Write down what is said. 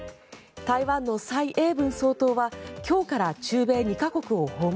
台湾の蔡英文総統は今日から中米２か国を訪問。